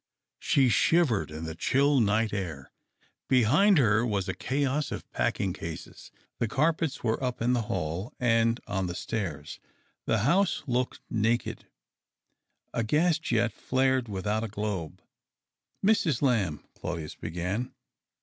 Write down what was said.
She shivered in the chill night air. Behind her was a chaos of packing cases. The carpets were up in the hall and on the stairs. The house looked naked. A gas jet flared without a globe. " Mrs. Lamb," Claudius began.